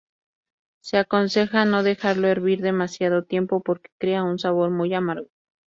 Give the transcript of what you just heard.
Se aconseja no dejarlo hervir demasiado tiempo porque crea un sabor muy amargo.